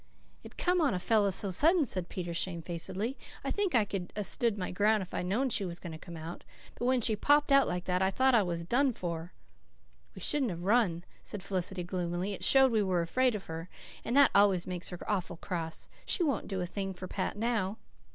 "It come on a fellow so suddent," said Peter shamefacedly. "I think I could a stood my ground if I'd known she was going to come out. But when she popped out like that I thought I was done for." "We shouldn't have run," said Felicity gloomily. "It showed we were afraid of her, and that always makes her awful cross. She won't do a thing for Pat now."